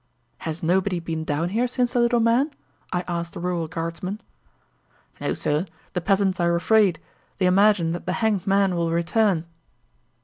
"Has nobody been down here since the little man?" I asked the rural guardsman. "No, sir. The peasants are afraid. They imagine that the hanged man will return."